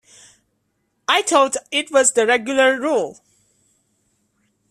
I thought it was the regular rule.